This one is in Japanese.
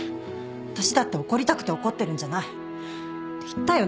私だって怒りたくて怒ってるんじゃないって言ったよね？